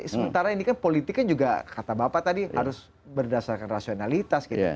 sementara ini kan politiknya juga kata bapak tadi harus berdasarkan rasionalitas gitu